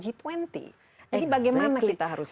jadi bagaimana kita harus